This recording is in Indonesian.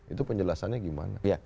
itu penjelasannya gimana